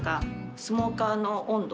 スモーカーの温度